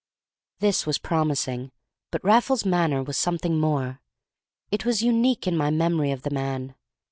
This was promising, but Raffles's manner was something more. It was unique in my memory of the man.